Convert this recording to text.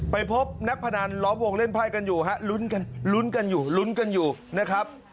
ไปพบนักพนันล้อมวงเล่นไพ่กันอยู่ฮะลุ้นกันลุ้นกันอยู่ลุ้นกันอยู่นะครับ